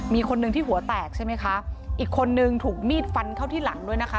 มีคนหนึ่งที่หัวแตกใช่ไหมคะอีกคนนึงถูกมีดฟันเข้าที่หลังด้วยนะคะ